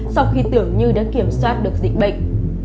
sau khi tưởng như đã kiểm soát được dịch bệnh